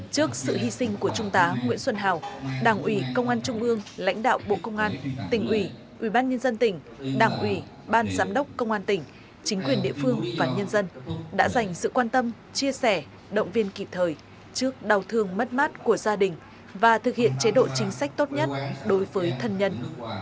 trước sự hy sinh của trung tá nguyễn xuân hào đảng ủy công an trung ương lãnh đạo bộ công an tỉnh ủy ubnd tỉnh đảng ủy ban giám đốc công an tỉnh chính quyền địa phương và nhân dân đã dành sự quan tâm chia sẻ động viên kịp thời trước đau thương mất mát của gia đình và thực hiện chế độ chính sách tốt nhất đối với thân nhân